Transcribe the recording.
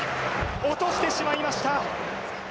落としてしまいました。